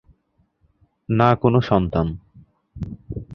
না কোনো সন্তান।